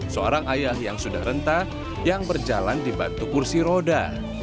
seorang ayah yang sudah rentah yang berjalan dibantu kursi roda